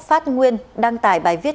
phát nguyên đăng tải bài viết